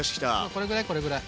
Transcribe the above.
これぐらいこれぐらい。